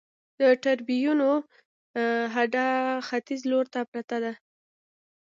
د ټرېنونو هډه ختیځ لور ته پرته ده